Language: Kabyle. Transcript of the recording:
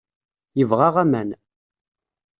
Yebɣa aman.